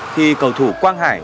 khi cầu thủ quang hải